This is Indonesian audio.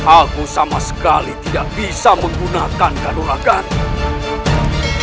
aku sama sekali tidak bisa menggunakan gadur agama